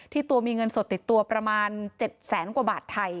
ตัวมีเงินสดติดตัวประมาณ๗แสนกว่าบาทไทย